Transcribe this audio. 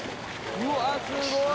うわすごい。